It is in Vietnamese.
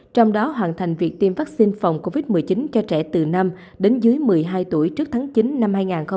trong đó hoàn thành việc tiêm vaccine phòng covid một mươi chín cho trẻ từ năm đến dưới một mươi hai tuổi trước tháng chín năm hai nghìn hai mươi